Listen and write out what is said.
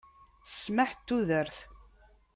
Ssmaḥ n tudert.